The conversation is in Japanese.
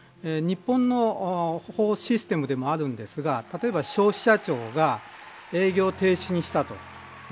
日本の法システムでもあるんですが例えば消費者庁が営業停止にしたと。